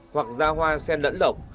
hoặc ra hoa xen lẫn lọc